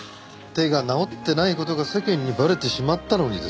手が治ってない事が世間にバレてしまったのにですか？